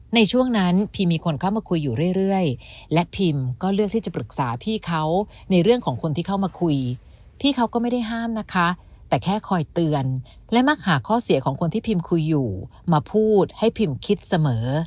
ในช่วงนั้นพิมมีคนเข้ามาคุยอยู่เรื่อยและพิมก็เลือกที่จะปรึกษาพี่เขาในเรื่องของคนที่เข้ามาคุยพี่เขาก็ไม่ได้ห้ามนะคะแต่แค่คอยเตือนและมักหาข้อเสียของคนที่พิมคุยอยู่มาพูดให้พิมคิดเสมอ